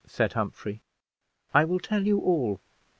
said Humphrey. "I will tell you all.